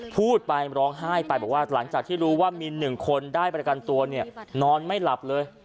พูดไปร้องไห้ไปบอกว่าหลังจากที่รู้ว่ามี๑คนได้ประกันตัวเนี่ยนอนไม่หลับเลย